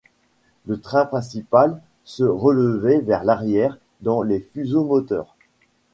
Le train principal se relevait vers l’arrière dans les fuseaux-moteurs.